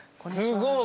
すごい。